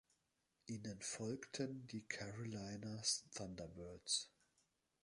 Ihnen folgten die Carolina Thunderbirds.